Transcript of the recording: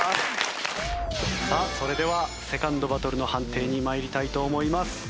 さあそれではセカンドバトルの判定に参りたいと思います。